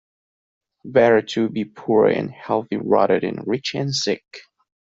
Better to be poor and healthy rather than rich and sick.